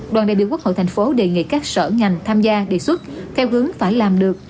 đoàn đại biểu quốc hội thành phố đề nghị các sở ngành tham gia đề xuất theo hướng phải làm được